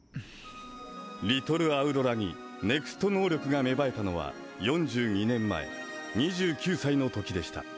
「リトルアウロラにＮＥＸＴ能力が芽生えたのは４２年前２９歳の時でした。